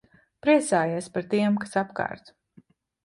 Priecājies par tiem, kas apkārt.